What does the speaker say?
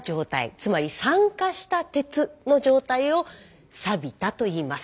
つまり酸化した鉄の状態を「サビた」と言います。